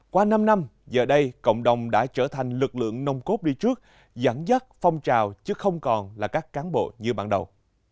qua năm năm giờ đây cộng đồng đã trở thành lực lượng nông cốt đi trước dẫn dắt phong trào chứ không còn là các cán bộ như ban đầu